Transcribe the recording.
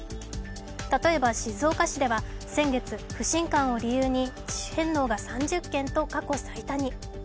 例えば静岡市では先月不信感を理由に自主返納が３０件と過去最多に。